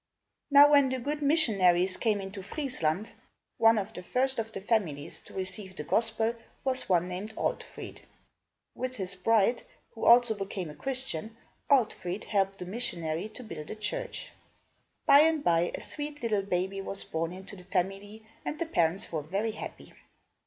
Now when the good missionaries came into Friesland, one of the first of the families to receive the gospel was one named Altfrid. With his bride, who also became a Christian, Altfrid helped the missionary to build a church. By and by, a sweet little baby was born in the family and the parents were very happy.